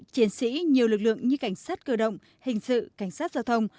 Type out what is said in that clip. chiến sĩ nhiều lực lượng như cảnh sát cơ động hình sự cảnh sát giao thông